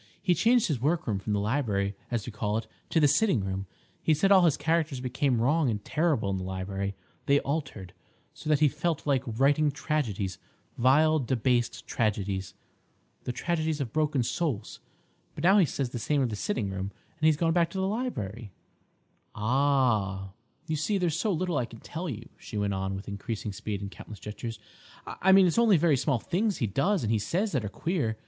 He changed his workroom from the library, as we call it, to the sitting room. He said all his characters became wrong and terrible in the library; they altered, so that he felt like writing tragedies—vile, debased tragedies, the tragedies of broken souls. But now he says the same of the sitting room, and he's gone back to the library." "Ah!" "You see, there's so little I can tell you," she went on, with increasing speed and countless gestures. "I mean it's only very small things he does and says that are queer.